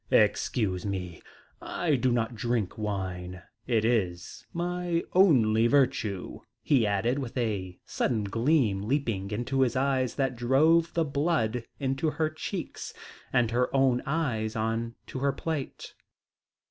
"Excuse me. I do not drink wine. It is my only virtue," he added, with a sudden gleam leaping into his eyes that drove the blood into her cheeks and her own eyes on to her plate.